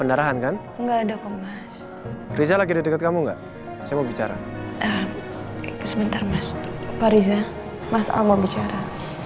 enggak ada apa mas riza lagi dekat kamu enggak saya mau bicara sebentar mas riza mas al mau bicara